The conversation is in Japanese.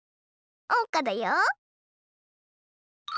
おうかだよ。